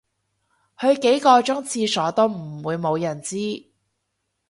去幾個鐘廁所都唔會無人知